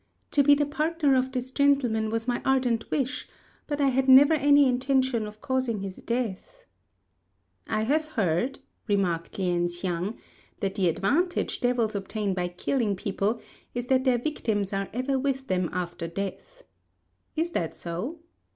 To be the partner of this gentleman was my ardent wish; but I had never any intention of causing his death." "I have heard," remarked Lien hsiang, "that the advantage devils obtain by killing people is that their victims are ever with them after death. Is this so?"